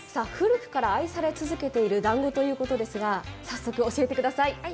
古くから愛され続けているだんごということですが、早速教えてください。